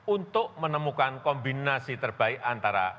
untuk menemukan kombinasi terbaik antara